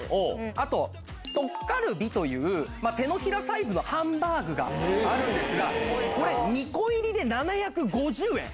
あとトッカルビという手のひらサイズのハンバーグがあるんですがこれ２個入りで７５０円。